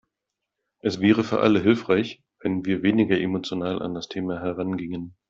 Es wäre für alle hilfreich, wenn wir weniger emotional an das Thema herangingen.